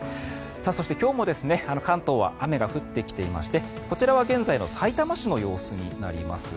そして今日も関東は雨が降ってきていましてこちらは現在のさいたま市の様子になります。